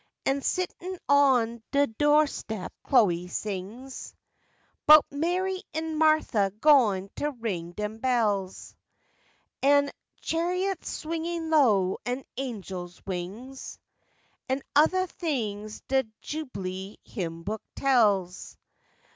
An' sittin' on de do'step, Chloe sings 'Bout Mary 'n' Martha goin't' ring dem bells, An' cha'iots swingin' low, an' angels' wings An' othuh things de Jub'lee hymn book tells.